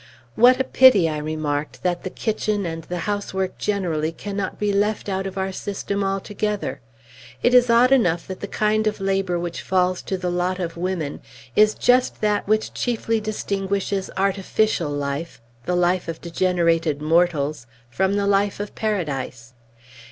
"What a pity," I remarked, "that the kitchen, and the housework generally, cannot be left out of our system altogether! It is odd enough that the kind of labor which falls to the lot of women is just that which chiefly distinguishes artificial life the life of degenerated mortals from the life of Paradise.